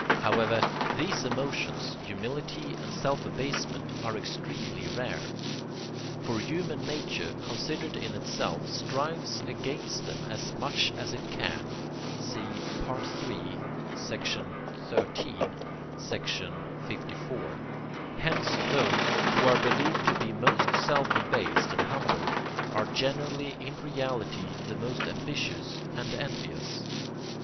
However, these emotions, humility and self abasement, are extremely rare. For human nature, considered in itself, strives against them as much as it can (see III. xiii., liv.); hence those, who are believed to be most self abased and humble, are generally in reality the most ambitious and envious.